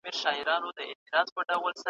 لرغوني اثار زموږ د تېر کلتور او تمدن نښې دي.